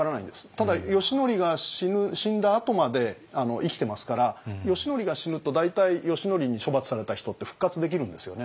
ただ義教が死んだあとまで生きてますから義教が死ぬと大体義教に処罰された人って復活できるんですよね。